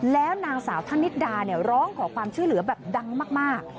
แล้วนางสาวธนิดดาร้องขอความช่วยเหลือแบบดังมาก